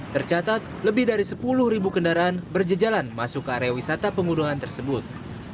tercatat lebih dari sepuluh ribu kendaraan berjejalan masuk ke area wisata pegunungan tersebut